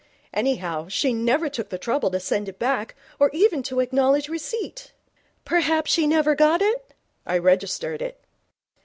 Anyhow, she never took the trouble to send it back or even to acknowledge receipt.' 'Perhaps she never got it?' 'I registered it.'